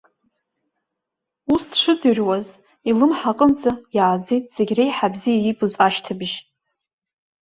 Ус, дшыӡырҩуаз илымҳаҟынӡа иааӡеит зегь реиҳа бзиа иибоз ашьҭыбжь.